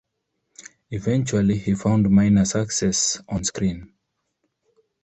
Eventually, he found minor success on screen.